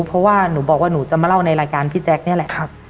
เพราะว่าหนูบอกว่าหนูจะมาเล่าในรายการพี่แจ๊คนี่แหละ